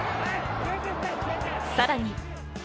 さらに。